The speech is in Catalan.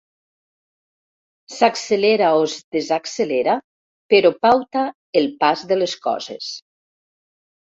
S'accelera o es desaccelera, però pauta el pas de les coses.